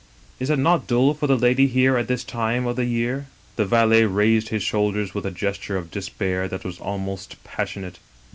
"* Is it not dull for the lady here at this time of the year?' " The valet raised his shoulders with a gesture of despair that was almost passionate.